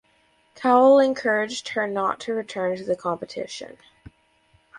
Cowell encouraged her not to return to the competition.